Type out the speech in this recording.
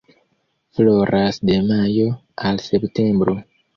Floras de majo al septembro.